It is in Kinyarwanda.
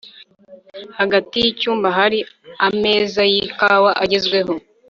hagati yicyumba hari ameza yikawa-agezweho